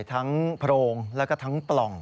โพรงแล้วก็ทั้งปล่อง